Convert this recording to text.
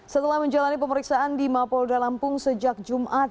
setelah menjalani pemeriksaan di mapolda lampung sejak jumat